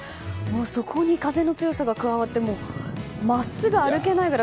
そこに風の強さが加わって真っすぐ歩けないくらい。